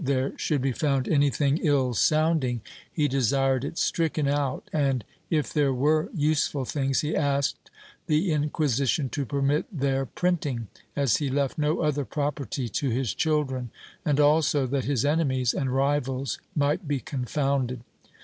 there should be found anything ill sounding, he desired it stricken out and, if there were useful things, he asked the Inquisition to permit their printing, as he left no other property to his children, and also that his enemies and rivals might be con founded.